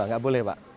nggak boleh pak